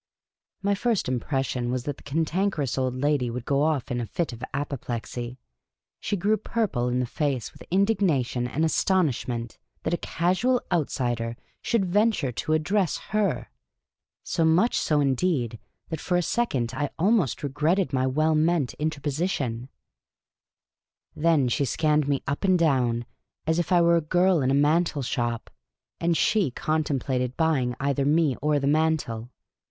My first impression was that the Cantankerous Old Lady would go off in a fit of apoplexy. She grew purple in the face with indignation and astonishment, that a casual out sider should venture to address her ; so much so, indeed, that for a second I almost regretted my well meant interpo The Cantankerous Old Lady II sitioii. Then she scanned me up and down, as if I were a girl in a mantle shop, and she contemplated buj ing either me or the mantle.